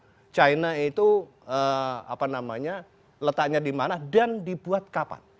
kita tahu bahwa cina itu apa namanya letaknya dimana dan dibuat kapan